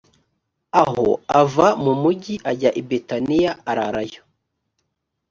aho ava mu mugi ajya i betaniya ararayo